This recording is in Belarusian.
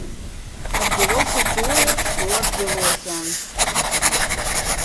Адбылося тое, што адбылося.